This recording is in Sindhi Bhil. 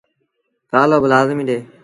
تآلو با لآزميٚ ڏئيٚ۔